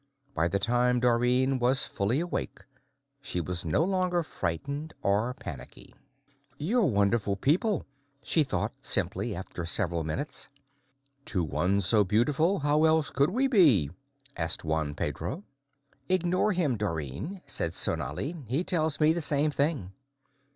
By the time Dorrine was fully awake, she was no longer frightened or panicky. "You're wonderful people," she thought simply, after several minutes. "To one so beautiful, how else could we be?" asked Juan Pedro. "Ignore him, Dorrine," said Sonali, "he tells me the same thing."